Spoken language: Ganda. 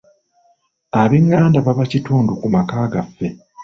Abenganda baba kitundu ku maka gaffe.